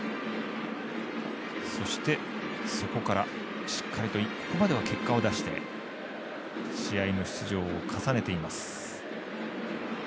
そして、そこからしっかりとここまでは結果を出して試合の出場を重ねています。